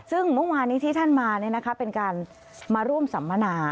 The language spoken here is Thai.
ซึ่งเมื่อวานที่ท่านมาเนี่ยนะคะเป็นการมาร่วมสัมมนา